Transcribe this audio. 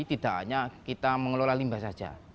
tidak hanya kita mengelola limbah saja